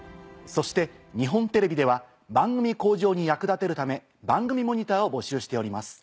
そして日本テレビでは番組向上に役立てるため番組モニターを募集しております。